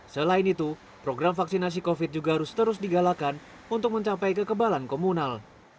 selain itu program vaksinasi covid juga harus terus digalakan untuk mencapai kekebalan komunal